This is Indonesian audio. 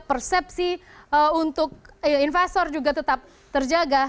persepsi untuk investor juga tetap terjaga